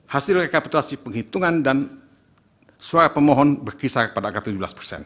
hasil rekapitulasi penghitungan dan suara pemohon berkisar pada angka tujuh belas persen